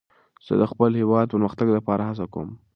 زه د خپل هېواد د پرمختګ لپاره هڅه کوم.